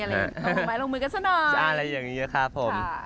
เอาหัวหมายลงมือกันซะหน่อยอะไรอย่างนี้ครับผม